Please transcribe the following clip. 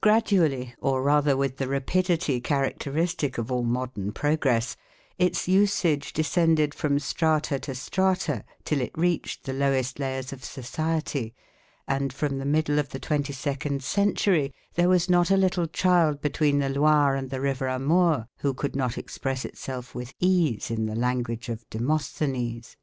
Gradually, or rather with the rapidity characteristic of all modern progress, its usage descended from strata to strata till it reached the lowest layers of society, and from the middle of the twenty second century there was not a little child between the Loire and the River Amour who could not express itself with ease in the language of Demosthenes.